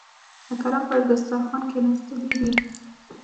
د کرم پر دسترخوان کېناستلي دي.